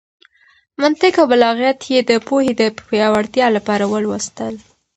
منطق او بلاغت يې د پوهې د پياوړتيا لپاره ولوستل.